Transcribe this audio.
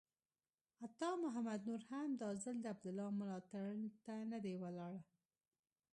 عطا محمد نور هم دا ځل د عبدالله ملاتړ ته نه دی ولاړ.